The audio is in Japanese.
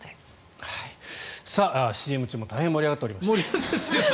ＣＭ中も大変盛り上がっていました。